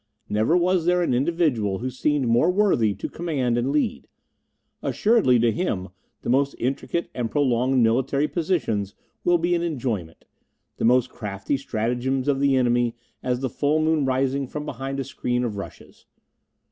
Never was there an individual who seemed more worthy to command and lead; assuredly to him the most intricate and prolonged military positions will be an enjoyment; the most crafty stratagems of the enemy as the full moon rising from behind a screen of rushes.